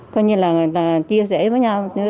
coi như là chia sẻ với nhau